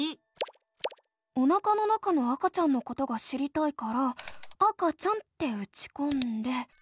おなかの中の赤ちゃんのことが知りたいから「赤ちゃん」ってうちこんで。